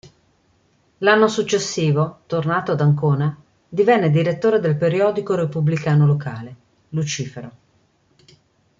L'anno successivo, tornato ad Ancona, divenne direttore del periodico repubblicano locale "Lucifero".